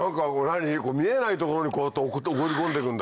見えない所にこうやって送り込んでくんだ。